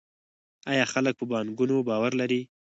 آیا خلک په بانکونو باور لري؟